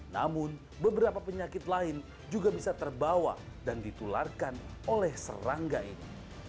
namun beberapa penyakit lain juga bisa terbawa dan ditularkan oleh serangga ini